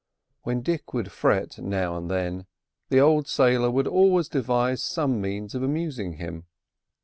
When Dick would fret now and then, the old sailor would always devise some means of amusing him.